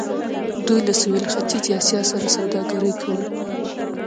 دوی له سویل ختیځې اسیا سره سوداګري کوله.